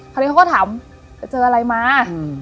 คราวนี้เขาก็ถามไปเจออะไรมา